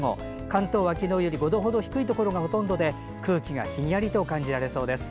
関東は、昨日より５度ほど低いところがほとんどで空気がひんやりと感じられるそうです。